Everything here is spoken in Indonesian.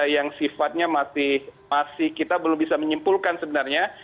yang sifatnya masih kita belum bisa menyimpulkan sebenarnya